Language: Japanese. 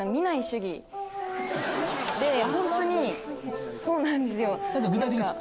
本当にそうなんですよ。